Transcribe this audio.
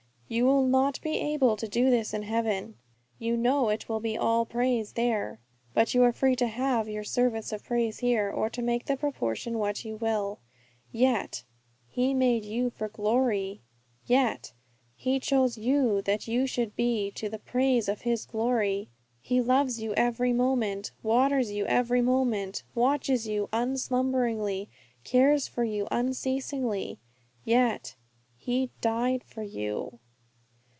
You will not be able to do this in heaven you know it will be all praise there; but you are free to halve your service of praise here, or to make the proportion what you will. Yet, He made you for His glory. Yet, He chose you that you should be to the praise of His glory. Yet, He loves you every moment, waters you every moment, watches you unslumberingly, cares for you unceasingly. Yet, He died for you!